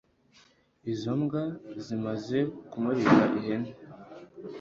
izo mbwa zimaze kumurira ihene